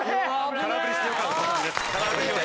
空振りをしてよかった形。